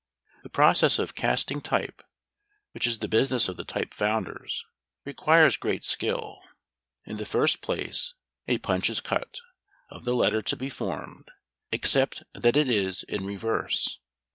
The process of casting type, which is the business of the type founders, requires great skill. In the first place, a punch is cut, of the letter to be formed, except that it is in reverse.